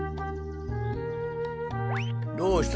どうした？